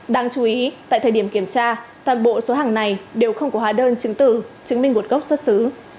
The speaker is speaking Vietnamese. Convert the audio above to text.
đáng chú ý tại thời điểm kiểm tra toàn bộ số hàng này đều không có hóa đơn chứng từ chứng minh nguồn gốc xuất xứ